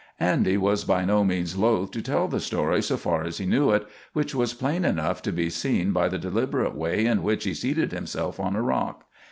Andy was by no means loath to tell the story so far as he knew it, which was plain enough to be seen by the deliberate way in which he seated himself on a rock.